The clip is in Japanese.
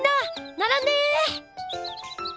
ならんで！